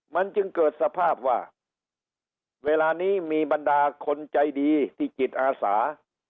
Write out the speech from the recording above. มันจึงเกิดสภาพว่าเวลานี้มีบรรดาคนใจดีที่จิตอาสา